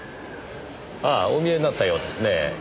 ああお見えになったようですねぇ。